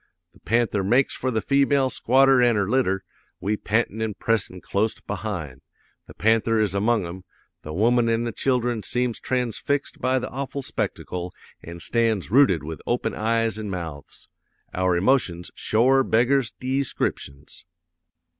The panther makes for the female squatter an' her litter, we pantin' an' pressin' clost behind. The panther is among 'em; the woman an' the children seems transfixed by the awful spectacle an' stands rooted with open eyes an' mouths. Our emotions shore beggars deescriptions.